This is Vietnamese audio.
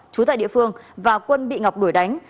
trú tại địa phương và quân bị ngọc đuổi đánh